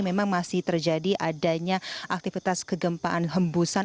memang masih terjadi adanya aktivitas kegempaan hembusan